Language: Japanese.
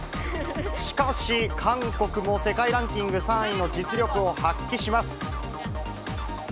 しかし、韓国も世界ランキング３位の実力を発揮します。